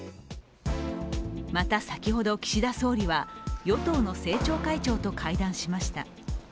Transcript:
また、先ほど岸田総理は与党の政調会長と会談しました。